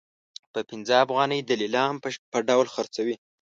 په پنځه افغانۍ د لیلام په ډول خرڅوي.